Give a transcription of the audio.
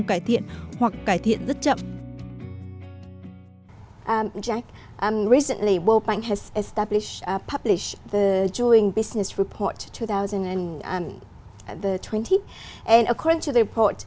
kết thúc công việc của nó